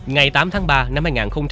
ngày tám tháng ba năm hai nghìn một mươi ba